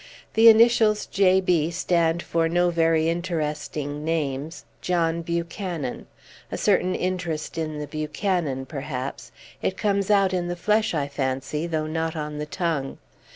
The initials J. B. stand for no very interesting names John Buchanan. A certain interest in the Buchanan, perhaps; it comes out in the flesh, I fancy, though not on the tongue.